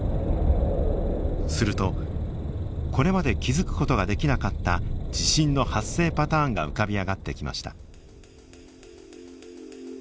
するとこれまで気付く事ができなかった地震の発生パターンが浮かび上がってきました。